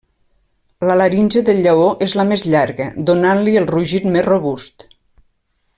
La laringe del lleó és la més llarga, donant-li el rugit més robust.